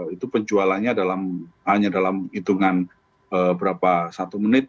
itu penjualannya hanya dalam hitungan berapa satu menit